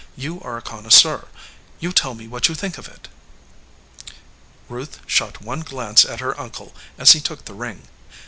You are a connoisseur. You tell me what you think of it." Ruth shot one glance at her uncle as he took the ring.